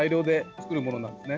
作るものなんですね。